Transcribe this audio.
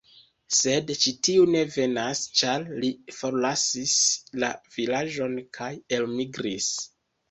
Sed ĉi tiu ne venas, ĉar li forlasis la vilaĝon kaj elmigris.